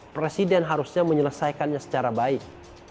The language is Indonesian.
presiden harusnya menyelesaikannya secara baik